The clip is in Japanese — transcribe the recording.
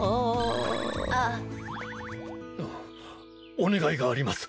お願いがあります